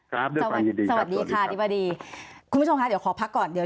ครับผ่านยินดีครับสวัสดีค่ะอธิบดีคุณผู้ชมคะ